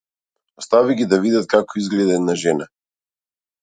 Остави ги да видат како изгледа една жена.